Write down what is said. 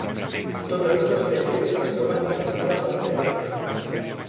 Totes les espècies es troben només a Nova Zelanda i Austràlia.